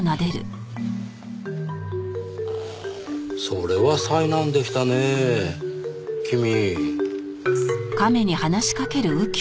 それは災難でしたねぇ君。